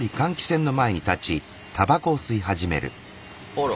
あら。